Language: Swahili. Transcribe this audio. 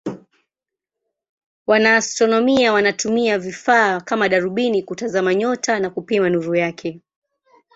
Wanaastronomia wanatumia vifaa kama darubini kutazama nyota na kupima nuru yake.